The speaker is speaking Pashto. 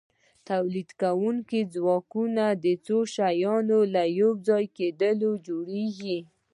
تولیدونکي ځواکونه د څو شیانو له یوځای کیدو جوړیږي.